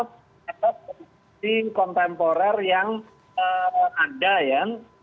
atau kondisi kontemporer yang ada